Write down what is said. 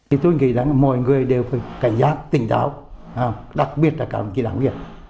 thì tôi nghĩ rằng mọi người đều phải cảnh giác tỉnh táo đặc biệt là các đảng viên